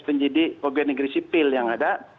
penyidik pegawai negeri sipil yang ada